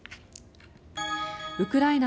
ウクライナ